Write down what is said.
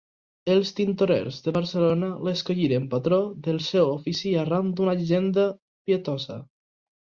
Els tintorers de Barcelona l'escolliren patró del seu ofici arran d'una llegenda pietosa.